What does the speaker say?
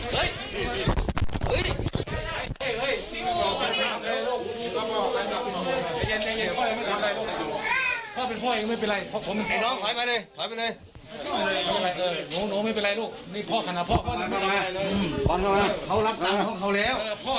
ท์ยืนอยู่เลยไม่ต้องไปที่เราเขาเป็นไงแหละ